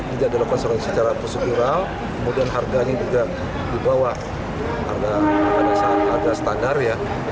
tidak tidak ada prosedural secara prosedural kemudian harganya juga di bawah harga standar ya